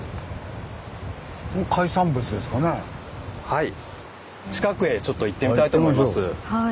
はい。